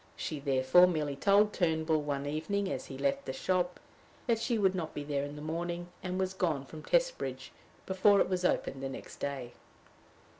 She therefore merely told Turnbull, one evening as he left the shop, that she would not be there in the morning, and was gone from Testbridge before it was opened the next day.